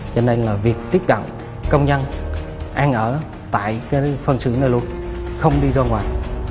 cho nên là việc tiếp cận công nhân an ở tại cái phần sự này luôn không đi ra ngoài